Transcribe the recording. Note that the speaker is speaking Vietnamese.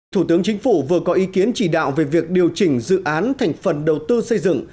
thủ tướng chính phủ vừa có ý kiến chỉ đạo về việc điều chỉnh dự án thành phần đầu tư xây dựng